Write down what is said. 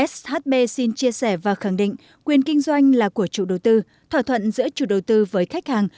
shb xin chia sẻ và khẳng định quyền kinh doanh là của chủ đầu tư thỏa thuận giữa chủ đầu tư với khách hàng